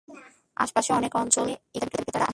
আশেপাশের অনেক অঞ্চল থেকে এখানে ক্রেতা-বিক্রেতারা আসে।